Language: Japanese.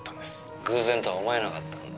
「偶然とは思えなかったんだ？」